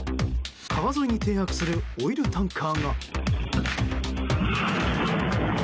川沿いに停泊するオイルタンカーが。